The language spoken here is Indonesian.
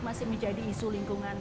masih menjadi isu lingkungan